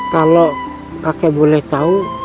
kalo kakek boleh tau